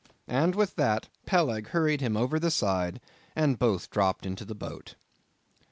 and with that, Peleg hurried him over the side, and both dropt into the boat.